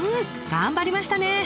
頑張りましたね！